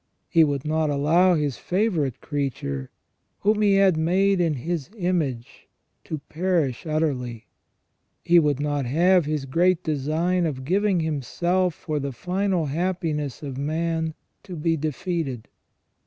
He would not allow His favourite creature, whom He had made in His image, to perish utterly. He would not have His great design of giving Himself for the final happiness of man to be defeated.